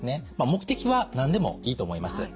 目的は何でもいいと思います。